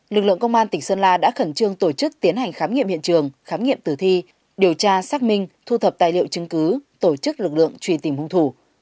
lực lượng công an tỉnh sơn la đã khẩn trương tổ chức tiến hành khám nghiệm hiện trường khám nghiệm tử thi điều tra xác minh thu thập tài liệu chứng cứ tổ chức lực lượng truy tìm hung thủ